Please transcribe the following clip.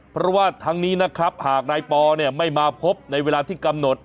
เพราะว่าทั้งนี้นะครับหากนายปอเนี่ยไม่มาพบในเวลาที่กำหนด